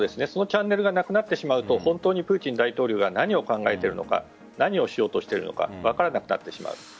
そのチャンネルがなくなってしまうと本当にプーチン大統領が何を考えているのか何をしようとしているのか分からなくなってしまう。